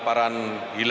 nikh mum standing